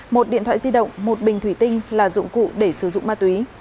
một điện thoại di động một bình thủy tinh là dụng cụ để sử dụng ma túy